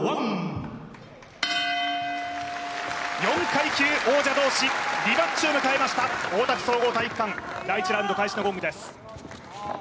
４階級王者同士、リマッチを迎えました大田区総合体育館、第１ラウンド開始のゴングです。